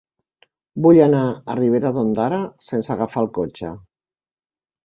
Vull anar a Ribera d'Ondara sense agafar el cotxe.